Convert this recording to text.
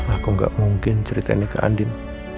aku gak mungkin cerita ini ke andin